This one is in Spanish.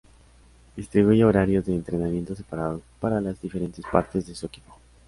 Distribuye horarios de entrenamiento separados para las diferentes partes de su equipo.